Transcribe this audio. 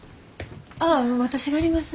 ああ私がやります。